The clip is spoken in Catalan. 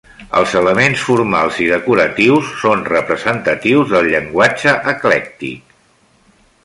Els elements formals i decoratius són representatius del llenguatge eclèctic.